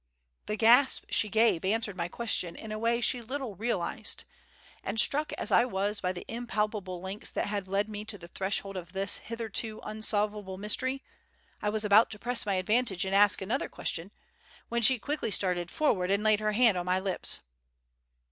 The gasp she gave answered my question in a way she little realized, and struck as I was by the impalpable links that had led me to the threshold of this hitherto unsolvable mystery, I was about to press my advantage and ask another question, when she quickly started forward and laid her hand on my lips.